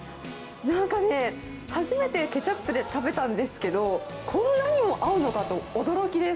なんかね、初めてケチャップで食べたんですけど、こんなにも合うのかと驚きです。